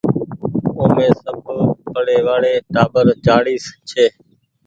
اومي سب ٽوٽل پڙي وآڙي ٽآٻر چآڙيس ڇي۔